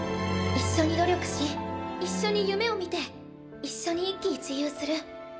「一緒に努力し一緒に夢をみて一緒に一喜一憂する。